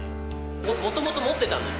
もともと持ってたんです。